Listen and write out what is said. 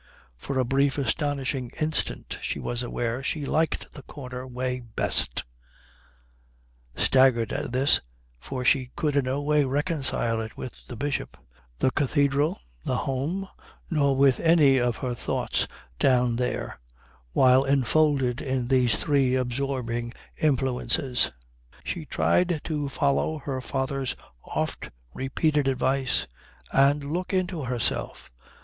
For a brief astonishing instant she was aware she liked the corner way best. Staggered at this, for she could in no way reconcile it with the Bishop, the cathedral, the home, nor with any of her thoughts down there while enfolded in these three absorbing influences, she tried to follow her father's oft repeated advice and look into herself.